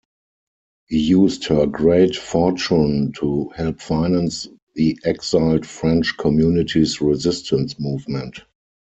He used her great fortune to help finance the exiled French community's resistance movement.